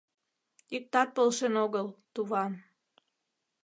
— Иктат полшен огыл, туван.